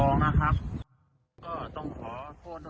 ก็ต้องขอโทษโดยนอกใครที่กำลังกินข้าวนะครับ